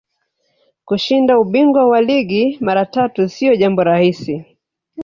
kushinda ubingwa wa ligi mara tatu siyo jambo rahisi